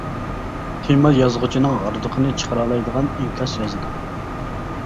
تېما يازغۇچىنىڭ ھاردۇقىنى چىقىرالايدىغان ئىنكاس يازىدۇ.